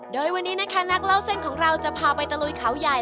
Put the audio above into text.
โดยวันนี้นะคะนักเล่าเส้นของเราจะพาไปตะลุยเขาใหญ่